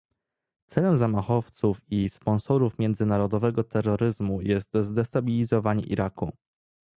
Celem zamachowców i sponsorów międzynarodowego terroryzmu jest zdestabilizowanie Iraku